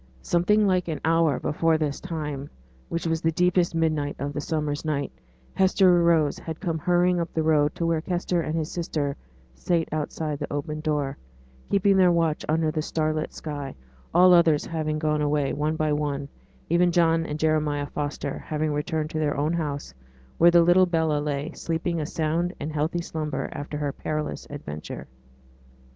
Something like an hour before this time, which was the deepest midnight of the summer's night, Hester Rose had come hurrying up the road to where Kester and his sister sate outside the open door, keeping their watch under the star lit sky, all others having gone away, one by one, even John and Jeremiah Foster having returned to their own house, where the little Bella lay, sleeping a sound and healthy slumber after her perilous adventure.